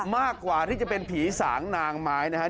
มากกว่าที่จะเป็นผีสางนางไม้นะครับ